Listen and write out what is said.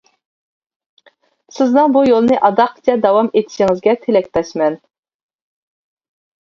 سىزنىڭ بۇ يولنى ئاداققىچە داۋام ئېتىشىڭىزگە تىلەكداشمەن.